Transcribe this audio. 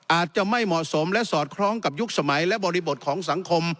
อาจจะไม่เหมาะสมและสอดคล้องกับยุคสมัยและบริบทของสังคม